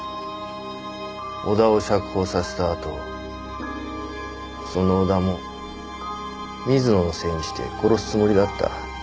小田を釈放させたあとその小田も水野のせいにして殺すつもりだった。